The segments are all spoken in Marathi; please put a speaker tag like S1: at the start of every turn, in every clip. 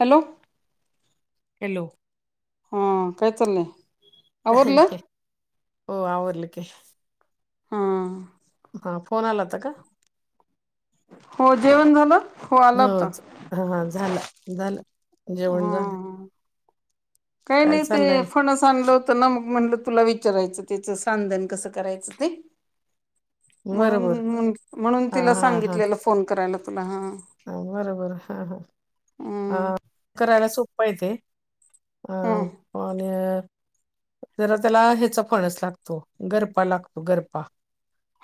S1: हॅलो
S2: हॅलो
S1: हा काय चाललंय?
S2: काय
S1: आवरलं
S2: नाही हो आवरलं की.
S1: हा.
S2: हा फोन आलाता का?
S1: हो जेवण झालं? हो आला होता
S2: हो हा झाला झालं
S1: हा
S2: जेवण झालं
S1: ह काही
S2: काय
S1: नाही ते
S2: चाललंय
S1: फणस आणलं तर ना मग म्हणलं तुला विचारायचं त्याच सांधन कसं करायचं ते
S2: बरोबर
S1: म्हणून म्हणून
S2: हा
S1: तिला
S2: हा हा
S1: सांगितलेलं फोन करायला तुला हा
S2: हा बरोबर हा हा
S1: हम्म
S2: हा करायला सोप्पा येते ह
S1: हां
S2: पण जरा त्याला ह्याचा फणच लागतो गरपा लागतो गरपा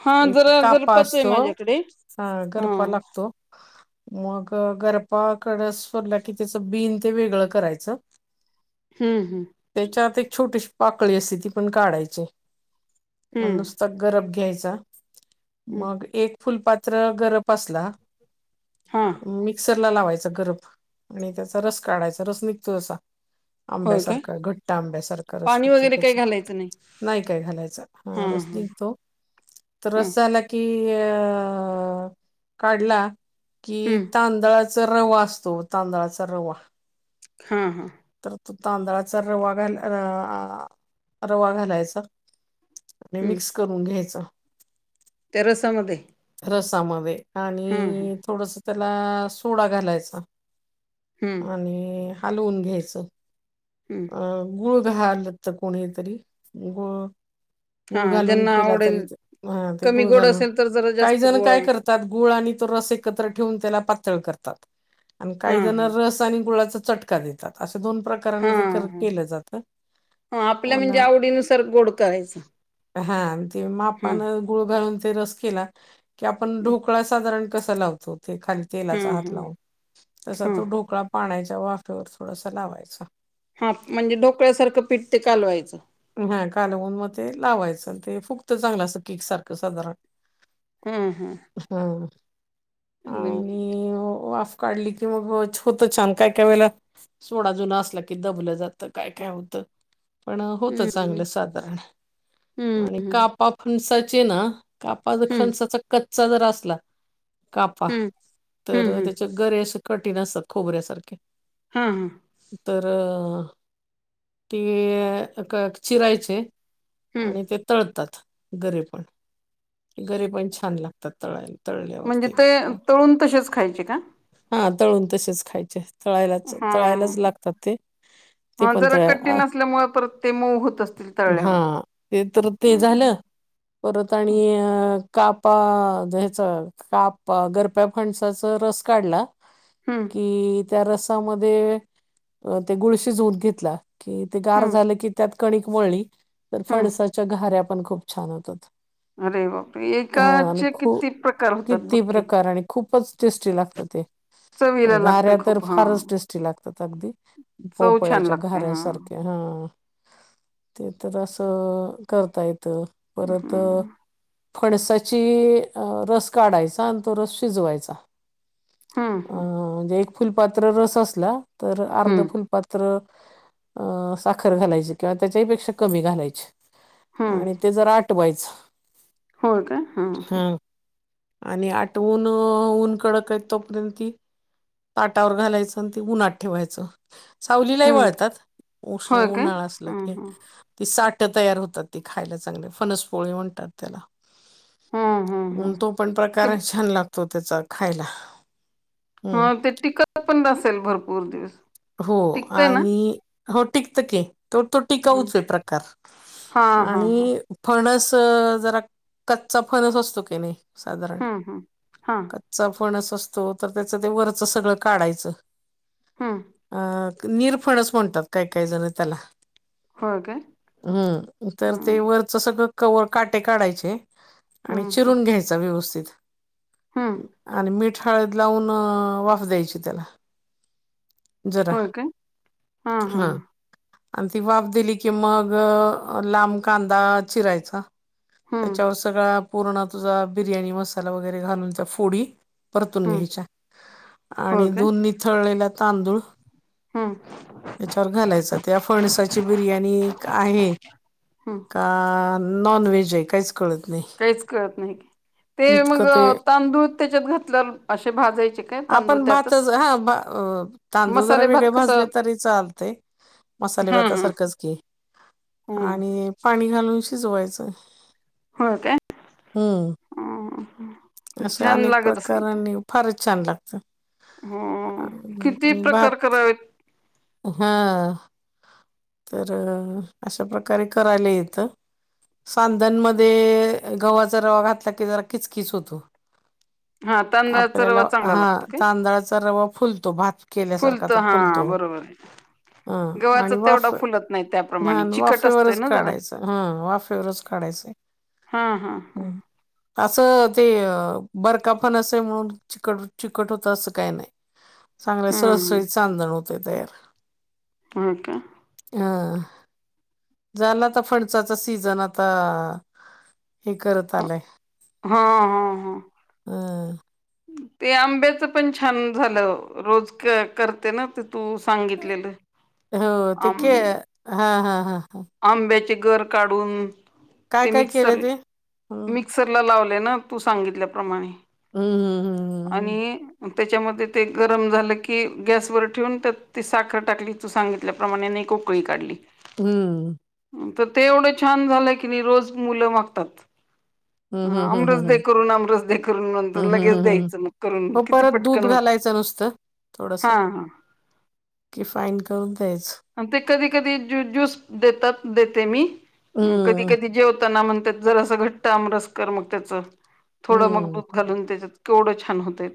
S1: हां
S2: एक
S1: जरा
S2: कापा
S1: गरपाच आहे
S2: असतो
S1: माझ्याकडे
S2: हा गरपा
S1: हां
S2: लागतो. मग गरपाकडं सोडला की त्याचा बिन ते वेगळं करायचा.
S1: हम्म हम्म.
S2: छोटीशी पाकळी असते ती पण काढायची आणि
S1: हम्म
S2: नुसता गरब घ्यायचा
S1: हम्म
S2: मग एक फुलपात्र गरप असला
S1: हां
S2: मिक्सरला लावायचा गरब आणि त्याचा रस काढायचा रस निघतो असा
S1: होय काय
S2: आंब्यासारखं घट्टा आंब्यासारखं रस
S1: पाणी
S2: तिचा
S1: वगैरे काही
S2: त्याचा
S1: घालायचं नाही
S2: नाही काय घालायचा हा
S1: हां
S2: रस
S1: हां
S2: निघतो तर
S1: हां
S2: रस झाला की काढला की
S1: हम्म
S2: तांदळा रवा असतो तांदळाचा रवा.
S1: हा हा.
S2: तर तू तांदळाचा रवा घाल आ आ रवा घालायचा. आणि मिक्स करून घ्यायचं.
S1: तेरसामध्ये
S2: रसामध्ये आणि थोडस त्याला सोडा घालायचा
S1: हम्म
S2: आणि हलवून घ्यायचं
S1: हम्म
S2: अ गुळ घाला तर कोणी तरी गुळ गुळ
S1: हा
S2: घालून
S1: ज्यांना
S2: केला
S1: आवडेल
S2: तरी हा ते
S1: कमी
S2: गुळ
S1: गोड
S2: घालून
S1: असेल तर जरा
S2: काही
S1: जास्त गोड
S2: काय
S1: हा
S2: करतात गुळ आणि तो रस एकत्र ठेवून त्याला पातळ करतात आणि काही जण
S1: हा
S2: रस आणि गुळाचा चटका देतात असं दोन प्रकार
S1: हा हा
S2: केलं जात
S1: हा आपल्या
S2: प
S1: म्हणजे आवडीनुसार गोड करायचं
S2: हा ते
S1: हा
S2: मापानं गुळ घालून ते रस केला की आपण ढोकळा साधारण कसा लावतो खाली
S1: हा
S2: तेलाचा
S1: हा
S2: हात लावून तसा
S1: हा
S2: तो ढोकळा पाचा च्या वाफेवर थोडस लावायच
S1: हा म्हणजे ढोकळ्यासारखं पिठते कालवायचं
S2: हा कालवून मग ते लावायचं ते फुक्त चांगलं असं केक सारखं साधारण
S1: हा हा
S2: हा
S1: एकदम
S2: आणि वा काढली की मग छ होतं छान काय काय वेळेला सोड जुन असला की दबलं जातं काय काय होतं पण होत
S1: हम्म
S2: चांगलं साधारण
S1: हम्म
S2: आणि कापा फणसाचे ना कापा ज
S1: हम्म
S2: खणसाचा कच्चा जरा असला कापा
S1: हम्म
S2: तर
S1: हम्म
S2: त्याच्या गरे अस कठीण असतात खोबऱ्यासारखे
S1: हा हा
S2: तर अ ती चिरायचे
S1: हम्म
S2: आणि ते तळतात गरे पण गरे पण छान लागतात तळायला तळल्यावर
S1: म्हणजे ते
S2: काय
S1: तळून तसेच खायचे का
S2: हा तळून तसेच खायचे तळायलाच
S1: हा
S2: तळायलाच लागतात ते ते
S1: हा
S2: पण
S1: जरा
S2: तर अ
S1: कठीण असल्यामुळे परत ते मऊ होत असतील
S2: हा
S1: तळल्यावर
S2: ते तर ते
S1: हम्म
S2: झालं परत आणि अ कापा्याच काप गरप्या फणसाचा रस काढला
S1: हम्म
S2: कि त्या रसामध्ये अ ते गुळ शिजवून घेतला कि ते गार झालं की त्यात कणिक वळली तर
S1: हम्म
S2: फणसाच्या गऱ्या पण खूप छान होतात
S1: अरे बापर
S2: हा आणि
S1: एकाचे
S2: खूप
S1: किती प्रकार होतात बक्की
S2: तृष्ट ला
S1: चवीला
S2: घऱ्या
S1: लागते
S2: तर
S1: खूप
S2: फारच
S1: हां.
S2: टेस्टी लागतात अगदी
S1: चव छान
S2: पोपळ्याच्या
S1: लागते
S2: घऱ
S1: हां.
S2: सारख्या हा ते तर असं करता येत परत
S1: हं,
S2: फणसाची रस काढायचा आणि तो रस शिजवायचा
S1: हं,
S2: अ
S1: हं,
S2: म्हणजे एक फुलपात्र रस असला तर अर्ध
S1: हं,
S2: फुलपात्र अ साखर घालायची किंवा त्याच्या पेक्षा कमी घालायची आणि ते जरा आठवायचं
S1: हो का हा
S2: आणि आठवून ऊन कडकत तोपर्यंत त ताटावर घालायचं आणि ते उन्ह्हाात ठेवायचं सावलीलाही
S1: हं.
S2: वळतात उष्
S1: होय काय?
S2: उन्हाळा असल
S1: हं,
S2: की
S1: हं,
S2: त साठ तयार होतात ती खायला चांगली फनस पोळी म्हणतात त्याला
S1: हं, हं,
S2: अ
S1: हं.
S2: तो पण
S1: ते
S2: प्रकार छान लागतो त्याचा खायला
S1: हा
S2: हं.
S1: ते टिकत पण नसेल भरपूर दिवस
S2: हो
S1: टिकतंय ना?
S2: आणि हो टिकत की तर तो
S1: हं.
S2: टिकाऊच आहे प्रकार
S1: हां, हां, हां.
S2: आणि फणस क जरा कच्चा फणच असतो की नाही साधारण
S1: हं, हं. हां,
S2: कच्चा फ पणस असतो तर त्याच ते वरच सगळं काढायचं
S1: हं.
S2: अं निरफळच म्हणतात काय काही जण त्याला
S1: होय काय?
S2: हम्म तर ते
S1: हं,
S2: वरच सगळं क काटे काढायचे आणि
S1: हं, हं,
S2: चिरून घ्यायचा व्यवस्थित
S1: हं.
S2: आणि मीठ हळद लावून वाफ द्यायची त्याला जरा
S1: होओ का हा हा
S2: आणि ती वाफ दिली की मग लांब कांदा चिरायचा
S1: हं,
S2: त्याच्यावर सगळा पूर्ण तुझा बिर्याणी मसाला वगैरे घालून त्या फोडी परतून
S1: हं.
S2: घ्यायच्या आणि दोन् निथळलेल्या तांदूळ
S1: हा
S2: त्याच्यावर घालायच त्या फणसाची बिर्याणी एक आहे
S1: हं.
S2: का नॉन व्हेज आहे कायच
S1: काहीच कळतं नाही ते मग
S2: इतकं ते
S1: तांदूळ त्याच्यात घातलं असे भाजायचे काय तांदूळ
S2: आपण भात
S1: त्यातच
S2: हा तांदूळ जरा
S1: मसाले भात
S2: वेगळे
S1: कस
S2: भाजले तरी चालते मसाले
S1: हा
S2: भाता
S1: हा
S2: सारखच घे
S1: हो
S2: आणि पाणी घालून जवायचं
S1: हो काय
S2: हम्म असं
S1: छान
S2: अनेक
S1: लागत
S2: प्रकारांनी फारच छान लागत
S1: ह किती प्रकार करावेत
S2: हा तर अशा प्रकारे करायला येतं सांधनमध्ये गव्हाचा रवा घातला की जरा किचकीच होतो
S1: हा तांदळाचा
S2: आपल्याला
S1: रवा चांगला
S2: हा
S1: लागतो काय
S2: तांदळाचा रवा फुलतो भात केल्यासारखा तो फुलतो
S1: हो
S2: हा आणि वाफे
S1: त्याप्रमाणे चिकट असतोय
S2: वाफेवरच
S1: ना जरा
S2: काढायच हा वाफेवरच काढायचं
S1: हा हा हा
S2: हम्म. असं ते बरकाफण असं म्हणून चट चिकट होत असं काही नाही चांगले
S1: हम्म
S2: सहसळीत चांदण होते तयार
S1: होळ का
S2: ह झालाता फणसाचा सीजन आता हे करत आलंय
S1: हा हा हा
S2: अम
S1: ते आंब्याच पण छान झालं रोज करते ना तू सांगितलेलं
S2: हो ते
S1: आ
S2: के हां हां हां हां.
S1: आंब्याचे गर काढून
S2: काय
S1: ते
S2: काय
S1: मिक्सर
S2: केलं ते? हं.
S1: मिक्सरला लावले तू सांगितल्याप्रमाणे
S2: हं, हं, हं,
S1: आणि त्याच्यामध्ये ते गरम झालं की गॅसवर ठेवून त्या ती साखर टाकली तू सांगितल्याप्रमाणे उकळी काढली.
S2: हम्म
S1: तर ते एवढं छान झालंय की नाही रोज मुलं मागतात.
S2: हं,
S1: ह
S2: हं, हं,
S1: आमरसद
S2: हं.
S1: करून आमरसद करून नंतर
S2: हं, हं,
S1: लगेच
S2: हं,
S1: द्यायचं मग करून किती पटकन होत.
S2: नसत
S1: हा हा
S2: किफाईन करून द्यायचं.
S1: ते कधी कधी ज्यूस देतात देते मी कधी
S2: हं.
S1: कधी जेवताना म्हण त जर अस घट्ट आमरसकर मग त्याच थोड मग
S2: हं.
S1: दूध घालून त्याच्यात केवढं छान होतय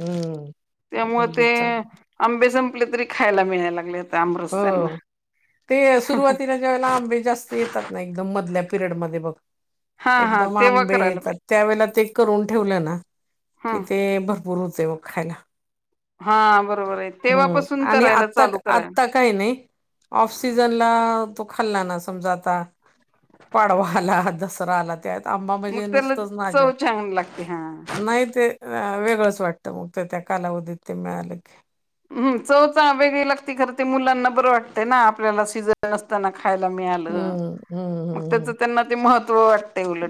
S2: हं. अगदी
S1: ते
S2: चांगलं.
S1: आंबेस कुठ तरी खायला मिळायला लागले
S2: हो
S1: आमरस त्यांना
S2: ते सुरुवातीला जेव आंबे जास्त येतात ना एकदम मधल्या पिरयड म बघ
S1: हा हा
S2: एकदम
S1: तेव्हा
S2: आंबे
S1: करायला
S2: येतात
S1: पाहिजे
S2: त्यावेेळे ते करून ठेवलं ना कि
S1: हं
S2: ते भरपूर होते वो खायला
S1: हा ब
S2: हम् आणि आता
S1: करायला
S2: आता काय नाही ऑफसीजनला त हल्लाना समजा आता पाडवा आला दसरा आला, त्यात आंबा
S1: मग
S2: म्हजे
S1: त्याला
S2: नसतच ना
S1: चव छान लागते हा
S2: नाही ते वेगळंच वाटतं मग ते त्या कालावधीत ते मिळाले की.
S1: हम् चवचा वेगळी लागते खरं ते मुलांना बरं वाटतं ना आपल्याला सीजन असताना, खायला मिळालं
S2: हम्म
S1: मग त्याच त्यांना ते महत्व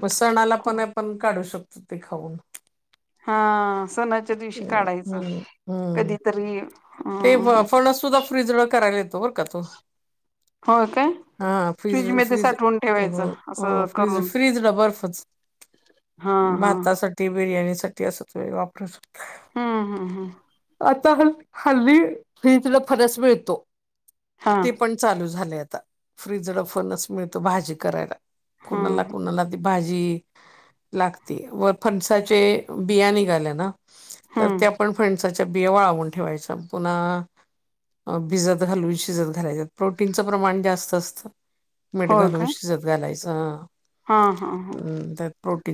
S2: ब सणाला पण आपण काढू शकतो ते खाऊन.
S1: हा सणाच्या दिवशी
S2: हम्म
S1: काढायचं
S2: हम्म हम्म.
S1: कधीतरी अ
S2: ते फणस सुुद्धा फ्रीज करायला येतो बरं का तो
S1: हो काय
S2: हा फ्रिज
S1: फ्रीज मध्ये
S2: फ्रिज
S1: साठवून ठेवायचं असं
S2: फ्रिज
S1: करून
S2: फ्रिज बरफत
S1: हा हा.
S2: भातासाठीठी बिर्याणी साठी असं तुम्ही वापरू शकता.
S1: हा हा हम
S2: आता ह हल्ली हे तुला फणस मिळतो
S1: हा
S2: ते पण चालू झाले. फ्रीजड पण मिळतो भाजी करायला कुणाला
S1: हम्म
S2: कुणाला भाजी लागती व फणसाचे बिया निघाल्याने तर
S1: हम्म
S2: ते आपण फसणसाचा बिया वळावून ठेवायचं पुन्हा, भिजत घालून शिजतलायच्या प्रोटीनचं प्रमाण जास्त असतं. मीठ
S1: होय
S2: घालून
S1: काय?
S2: शिजत घालायचं.
S1: हा हा हा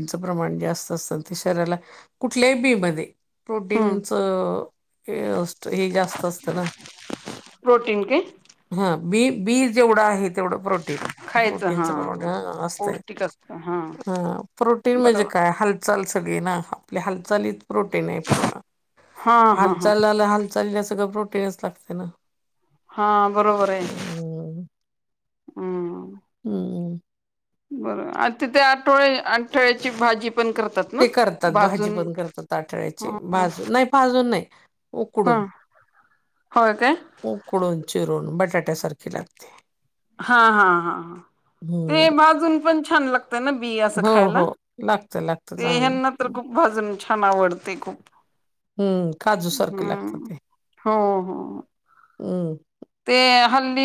S2: च प्रमाणत असत शरी कुठल्या बी
S1: हम्म
S2: प्रोटीन असे हे जास्त असते ना
S1: प्रोटीन काय
S2: हा. बी बी जेवढं आहेत. तेवढ प्रोटिन
S1: खायचं हा. हा
S2: प्रोटीनमाण असते
S1: पौष्टिक असतं हा
S2: प्रोटीन म्हणजे
S1: बरोबर
S2: काय हलक हालचाल सगळी ना आपल्या हालचालीच प्रोटीन आहे पुन्हा.
S1: हा हा हा.
S2: हालचालला हालचालीला सगळं प्रोटीनच लागते ना.
S1: हा बरोबर आहे
S2: हम्म
S1: हम्म
S2: हम्म
S1: बरोबर तिथे आठवळे आठठळ्याची भाजी पण करतात ना
S2: ते करतात भाजी
S1: भाजून.
S2: पण करतात ताटळ्याची भाजून नाही भाजून नाही
S1: हा
S2: उकडून
S1: होय काय
S2: उकडून चिरून बटाट्यासारखी लागते.
S1: हा हा हा ते
S2: हम्म
S1: बाजून पण छान लाग तन बि असं
S2: हो
S1: खायला
S2: हो लागत लागत
S1: ते
S2: चांगलं
S1: हे ना तर
S2: लागत
S1: खूप भाजून छान आवडते खूप
S2: हम्म काजू सारखं लागत
S1: हम्म
S2: ते
S1: हो हो
S2: हम्म.
S1: ते हल्ली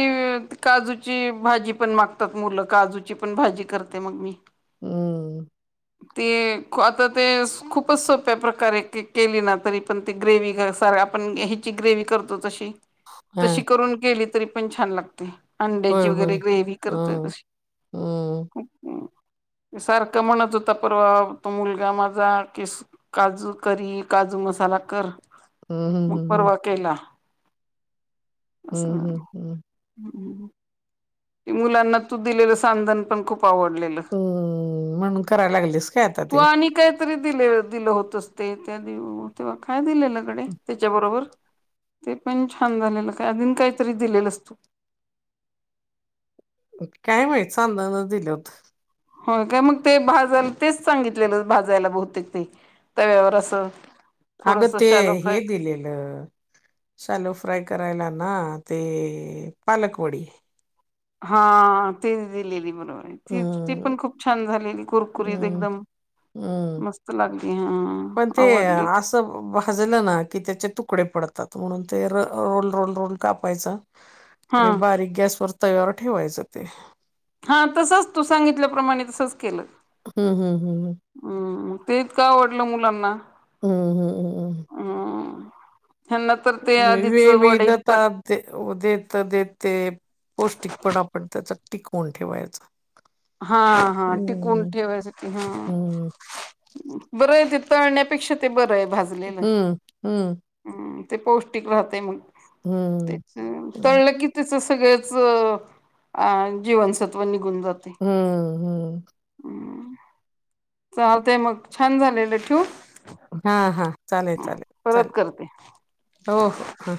S1: ती काजूची भाजी पण मागतात मुलं काजूची पण भाजी कर ते मग मी
S2: हम्म.
S1: ते आता ते खूपच सोप्या प्रकारे के केली ना तरी पण ते ग्रेव सा स आपण ह्याची ग्रेवही करतो तशी तशी
S2: हम
S1: करून केली तरी पण छान लागते.
S2: होय
S1: अंड्याची वगैरे
S2: होय
S1: ग्रेवही करतोय
S2: हम्म
S1: तशी
S2: हम्म
S1: खूप सारखं म्हणत होता परवा तो मुलगा माझा की काजू करी काू काजू मसाला कर
S2: हम्म
S1: मग
S2: हम्म
S1: परवा केला. असं
S2: हम्म हम्म
S1: ह् मुलांना तू दिलेलं सांधन पण खूप खूप आवडलेलं
S2: हम्म म्हणून करायला लागलीस काय आता
S1: तू
S2: ते
S1: आणि कायतरी दिलेलं. दिले दिलं होत अस ते त्या तेव्हा काय दिले गडे त्याच्या बरोबर ते पण छान झालेलं काय आधीन काहीतरी दिलेलं असतो
S2: [unintelligible] काय मायच चादन दिलं होते.
S1: हो काय म ते भाजाला तेच सांगितलेलं भाजायला बहुतेक ते तव्यावर असं
S2: अगं
S1: थोडस
S2: ते
S1: शॅलो
S2: हे
S1: फ्राय
S2: दिलेलं शलो फ्राय करायला ना. ते पालक वडी
S1: हा. तीत ती
S2: हं,
S1: पण खूप छान झालेली कुरकुरीत
S2: हं,
S1: एकदम
S2: हं.
S1: मस्त लाग
S2: पण ते आस भाजलं ना की त्याचे तुकडे पडतात. म्हणून ते र रोल रोल रोल कापायचं
S1: हा
S2: आणि बारीक गॅसवर तव्यावर ठेवायचं ते.
S1: हा तसचं तू सांगितल्याप्रमाणे तसेच केलं.
S2: हम्म हम्म हम्म हम्म.
S1: हम्म ते इतकं आवडलं मुलांना
S2: हं, हं,
S1: हम्म ह्यांना तर ते
S2: [unintelligible]
S1: आधीच वडे प्र
S2: देेत दे ते पौष्टिकपण आपण त्याच टिकवून ठेवायचं
S1: हा हा टिकून ठेवायचं हा
S2: हं,
S1: बरंय ते तळण्यापेक्षा ते बरंय भाजलेलं
S2: हं, हं,
S1: ते पौष्टिक राहतेय म
S2: हं, हं, हं.
S1: तळकी की तश सगळेच जीवनसत्व निघून जातय
S2: हम्म हम्म
S1: चालतय मग छान झालेलं ठेवू
S2: हा हा चालेल चालेल
S1: परत
S2: चालेल
S1: करते.
S2: हो हो हा